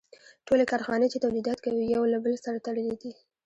ټولې کارخانې چې تولیدات کوي یو له بل سره تړلي دي